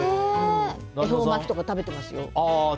恵方巻きとか食べていますよ。